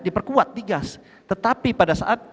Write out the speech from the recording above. diperkuat digas tetapi pada saat